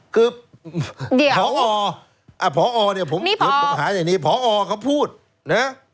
คือเดี๋ยวผออ่ะผอเนี่ยผมหาในนี้ผอเขาพูดนะ